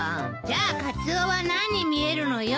じゃあカツオは何に見えるのよ。